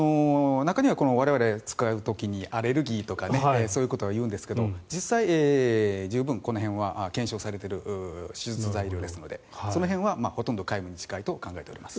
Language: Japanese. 中には我々が使う時にアレルギーとかそういうことは言うんですが実際、十分この辺は検証されている手術材料ですのでその辺は大丈夫だと思っています。